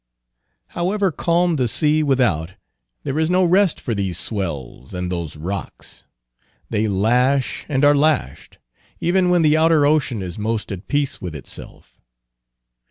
However calm the sea without, there is no rest for these swells and those rocks; they lash and are lashed, even when the outer ocean is most at peace with, itself.